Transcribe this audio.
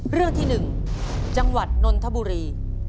เรื่องที่๑จังหวัดนนทบุรี